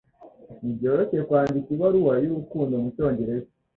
Ntibyoroshye kwandika ibaruwa y'urukundo mucyongereza.